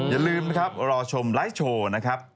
อย่าลืมนะครับรอชมไลฟ์โชว์นะครับ